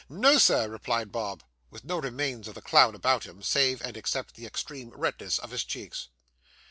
'No, sir,' replied Bob, With no remains of the clown about him, save and except the extreme redness of his cheeks.